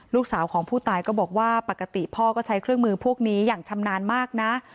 ลูกสาวของผู้ตายก็บอกว่าปกติพ่อก็ใช้เครื่องมือพวกนี้อย่างชำนาญมากนะ